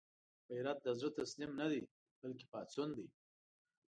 غیرت د زړه تسلیم نه دی، بلکې پاڅون دی